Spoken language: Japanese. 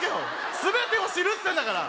全てを知るっつってんだから！